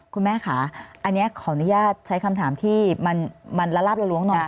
คุณแม่ค่ะอันนี้ขออนุญาตใช้คำถามที่มันละลาบละล้วงหน่อย